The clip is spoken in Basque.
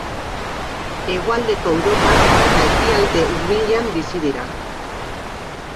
Hegoaldeko Europan eta Ekialde Hurbilean bizi dira.